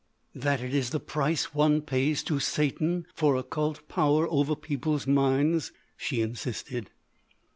"That it is the price one pays to Satan for occult power over people's minds?" she insisted.